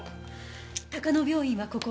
高野病院はここ。